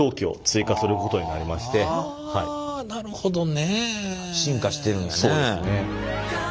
あなるほどね。進化してるんやね。